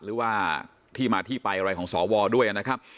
หรือว่าที่มาที่ไปอะไรของสวด้วยนะครับ